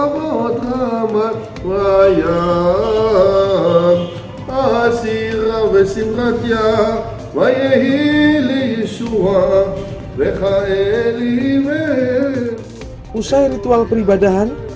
di tondanu sulawesi utara inilah